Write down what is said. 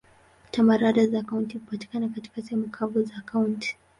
Tambarare za kaunti hupatikana katika sehemu kavu za kaunti.